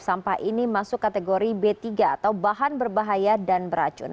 sampah ini masuk kategori b tiga atau bahan berbahaya dan beracun